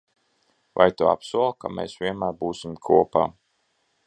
Vai tu apsoli, ka mēs vienmēr būsim kopā?